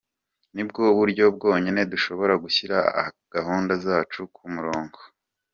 Nibwo buryo bwonyine dushobora gushyira gahunda zacu ku murongo.